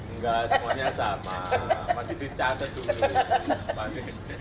enggak semuanya sama masih dicatat dulu